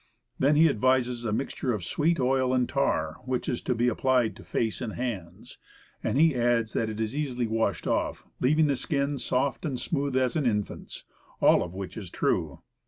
Then he advises a mixture of sweet oil and tar, which is to be applied to face and hands; and he 22 Woodcraft. adds that it is easily washed off, leaving the skin soft and smooth as an infant's; all of which is true.